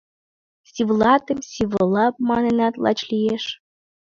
Сивлатым «сиволап» манынат, лач лиеш.